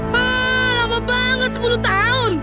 wah lama banget sepuluh tahun